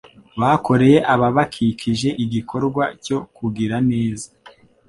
bakoreye ababakikije igikorwa cyo kugira neza.